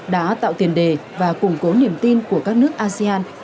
đã tạo tiền đề và củng cố niềm tin của các nước asean